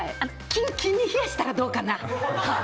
キンキンに冷やしたらどうかな。